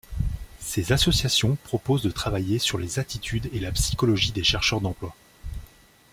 Ces associations proposent de travailler sur les attitudes et la psychologie des chercheurs d'emploi.